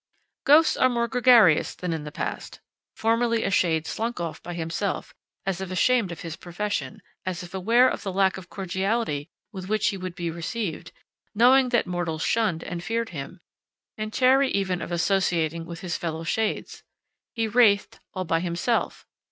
Ghosts are more gregarious than in the past. Formerly a shade slunk off by himself, as if ashamed of his profession, as if aware of the lack of cordiality with which he would be received, knowing that mortals shunned and feared him, and chary even of associating with his fellow shades. He wraithed all by himself.